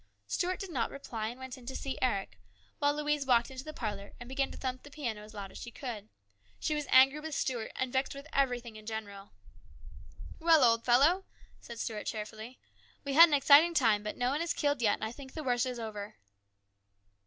Stuart did not reply, and went in to see Eric, while Louise walked into the parlour and began to thump the piano as hard as she could. She was angry with Stuart, and vexed with everything in general. "Well, old fellow," said Stuart cheerfully, "we had an exciting time, but no one is killed yet, and I think the worst is over."